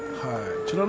美ノ